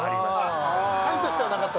サインとしてはなかった？